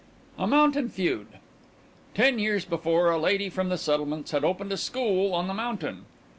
A MOUNTAIN FEUD Ten years before a lady from the settlements had opened a school on the mountain.